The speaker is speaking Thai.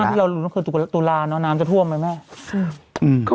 น้ำที่เราหลุมคือตุราเนอะน้ำจะท่วมเลยไหม